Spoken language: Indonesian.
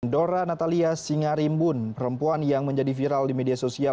dora natalia singarimbun perempuan yang menjadi viral di media sosial